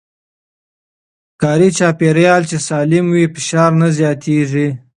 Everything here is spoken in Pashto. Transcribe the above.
کاري چاپېريال چې سالم وي، فشار نه زياتېږي.